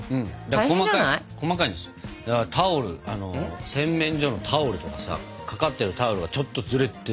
だからタオル洗面所のタオルとかさ掛かってるタオルがちょっとずれてても嫌だからさ。